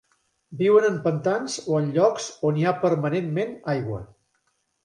Viuen en pantans o en llocs on hi ha permanentment aigua.